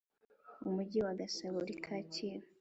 Umujyi wa Gasabo uri kacyiru